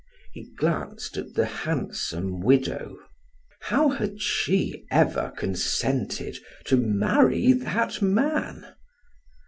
He glanced at the handsome widow. How had she ever consented to marry that man?